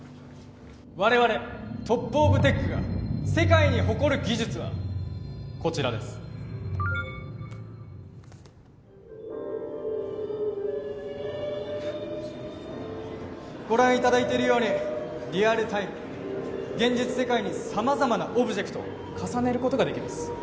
我々トップオブテックが世界に誇る技術はこちらですご覧いただいているようにリアルタイムで現実世界に様々なオブジェクトを重ねることができます